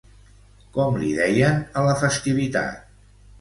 Com li deien a la festivitat?